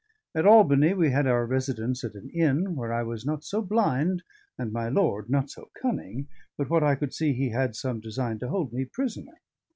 At Albany we had our residence at an inn, where I was not so blind and my lord not so cunning but what I could see he had some design to hold me prisoner.